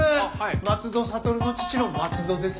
松戸諭の父の松戸です